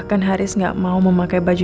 yang diego diaarnya udah fiadom